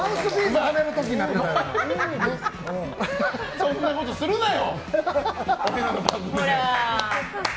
そんなことするなよ！